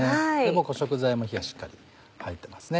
もう食材も火がしっかり入ってますね。